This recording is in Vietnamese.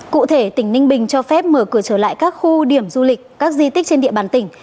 cụ thể tỉnh ninh bình cho phép mở cửa trở lại các khu điểm du lịch các di tích trên địa bàn tỉnh